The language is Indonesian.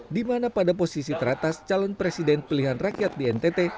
di mana pada posisi teratas calon presiden pilihan rakyat di ntt